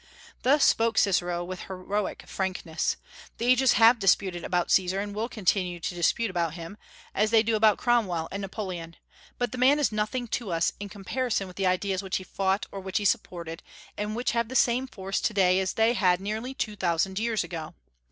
Thus spoke Cicero with heroic frankness. The ages have "disputed about" Caesar, and will continue to dispute about him, as they do about Cromwell and Napoleon; but the man is nothing to us in comparison with the ideas which he fought or which he supported, and which have the same force to day as they had nearly two thousand years ago.